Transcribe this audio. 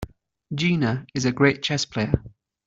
Gina is a great chess player.